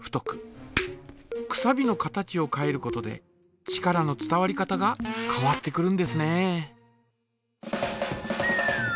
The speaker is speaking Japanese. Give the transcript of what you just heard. くさびの形を変えることで力の伝わり方が変わってくるんですね。